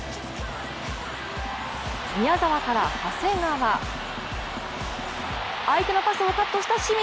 宮澤から長谷川、相手のパスをカットした清水。